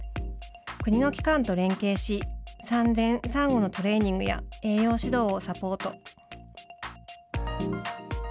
国の機関と連携し産前産後のトレーニングや栄養指導をサポート。